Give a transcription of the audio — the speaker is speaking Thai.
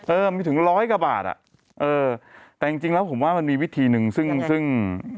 เออมีถึง๑๐๐กว่าบาทแต่จริงแล้วผมว่ามันมีวิธีหนึ่งซึ่ง